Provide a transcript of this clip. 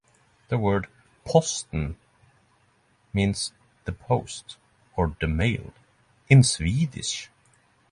The word "posten" means "the post" or "the mail" in Swedish.